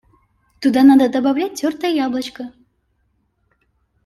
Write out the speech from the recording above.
Туда надо добавлять тертое яблочко.